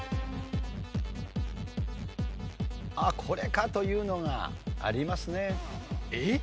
ああこれかというのがありますね。